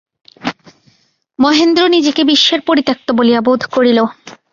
মহেন্দ্র নিজেকে বিশ্বের পরিত্যক্ত বলিয়া বোধ করিল।